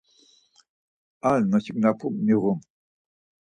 Ar noşignapu miğun.